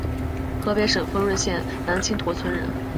河北省丰润县南青坨村人。